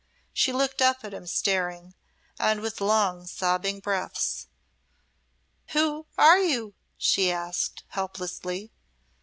She looked up at him staring, and with long, sobbing breaths. "Who are you?" she asked, helplessly.